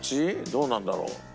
どうなんだろう？